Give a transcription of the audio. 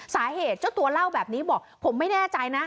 เจ้าตัวเล่าแบบนี้บอกผมไม่แน่ใจนะ